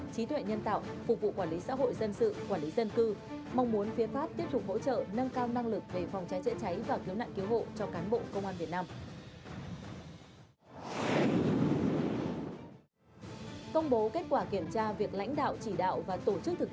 trí tuệ nhân tạo phục vụ quản lý xã hội dân sự quản lý dân cư